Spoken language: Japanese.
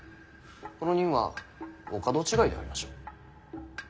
この任はお門違いでありましょう。